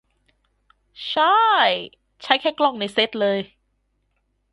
ช่าย ใช้แค่กล้องในเซ็ตเลย